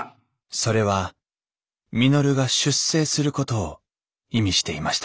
それは稔が出征することを意味していました